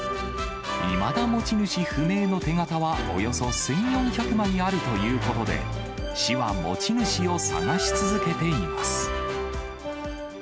いまだ持ち主不明の手形は、およそ１４００枚あるということで、市は持ち主を探し続けています。